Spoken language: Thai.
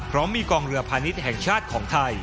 พร้อมมีกองเรือพาณิชย์แห่งชาติของไทย